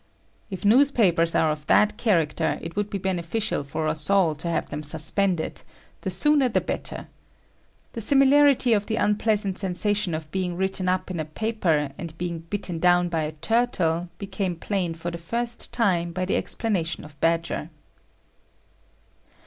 If newspapers are of that character, it would be beneficial for us all to have them suspended,—the sooner the better. The similarity of the unpleasant sensation of being written up in a paper and being bitten down by a turtle became plain for the first time by the explanation of Badger.